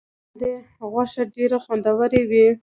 د لاندي غوښه ډیره خوندوره وي.